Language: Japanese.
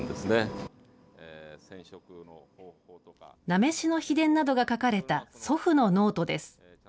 なめしの秘伝などが書かれた祖父のノートです。